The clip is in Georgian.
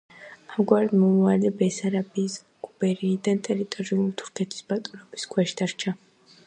ამგვარად, მომავალი ბესარაბიის გუბერნიის ტერიტორიები თურქეთის ბატონობის ქვეშ დარჩა.